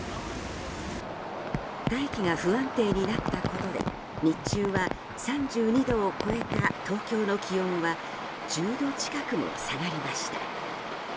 大気が不安定になったことで日中は３２度を超えた東京の気温は１０度近くも下がりました。